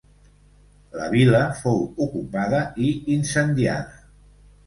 La vila fou ocupada i incendiada.